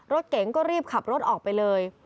รถเก๋งก็รีบขับรถออกไปเลย